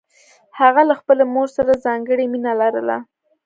هغه له خپلې مور سره ځانګړې مینه لرله